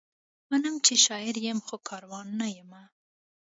منم، شاعر یم؛ خو کاروان نه یمه